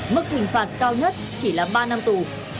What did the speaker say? mức hình phạt cao nhất chỉ là ba năm tù